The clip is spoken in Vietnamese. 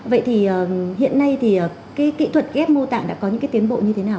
vậy thì hiện nay thì cái kỹ thuật ghép mô tạng đã có những cái tiến bộ như thế nào